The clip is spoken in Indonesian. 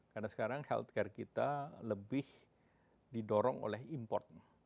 karena sekarang healthcare kita lebih didorong oleh import